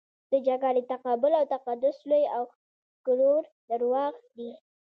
د جګړې تقابل او تقدس لوی او ښکرور درواغ دي.